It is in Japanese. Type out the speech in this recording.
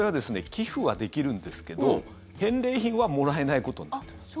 寄付はできるんですけど返礼品はもらえないことになっています。